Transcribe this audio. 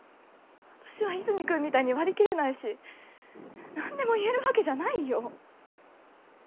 私は和泉君みたいに割り切れないし何でも言えるわけじゃないよ